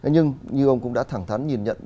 nhưng như ông cũng đã thẳng thắn nhìn nhận